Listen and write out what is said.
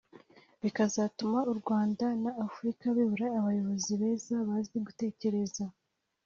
bikazatuma u Rwanda na Afurika bibura abayobozi b’ejo bazi gutekereza